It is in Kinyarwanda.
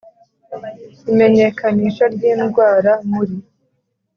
Imenyekanisha ry indwara muri